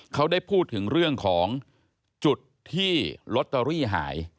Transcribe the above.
เขาได้พูดถึงเรื่องของจุดที่ลอตเตอรี่หาย